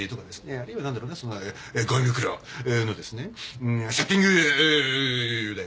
あるいは何だろうなそのごみ袋のですねセッティングゥだよね。